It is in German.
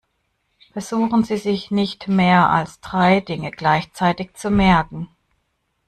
Versuchen Sie sich nicht mehr als drei Dinge gleichzeitig zu merken.